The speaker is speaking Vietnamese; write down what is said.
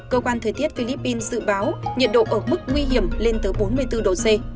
cơ quan thời tiết philippines dự báo nhiệt độ ở mức nguy hiểm lên tới bốn mươi bốn độ c